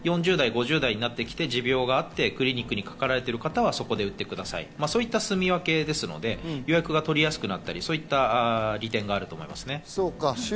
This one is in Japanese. で、４０代、５０代になってきて、持病があってクリニックにかかられている方はそこで打ってください、そういうすみわけなので、予約が取りやすくなったり、そういう利点があると思います。